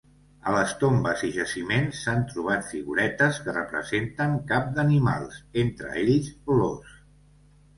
A les tombes i jaciments s'han trobat figuretes que representen cap d'animals, entre ells l'ós.